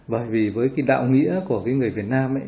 bởi vì với cái đạo nghĩa của người việt nam